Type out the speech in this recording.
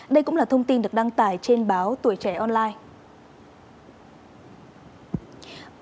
đây cũng là thông tin được đăng tải trên báo tuổi trẻ online